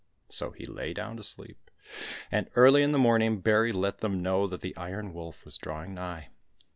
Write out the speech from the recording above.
So he lay down to sleep, and early in the morning Bary let them know that the Iron Wolf was drawing nigh.